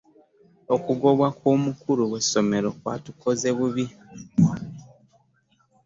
Okugobwa kw'omukulu w'essomero kwatukoze bubi.